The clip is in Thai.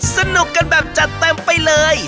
สนุกกันแบบจัดเต็มไปเลย